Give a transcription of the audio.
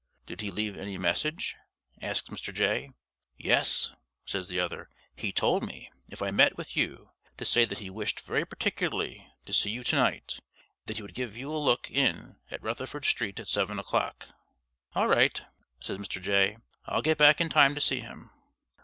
"Did he leave any message?" asks Mr. Jay. "Yes," says the other. "He told me, if I met with you, to say that he wished very particularly to see you to night, and that he would give you a look in at Rutherford Street at seven o'clock." "All right," says Mr. Jay. "I'll get back in time to see him."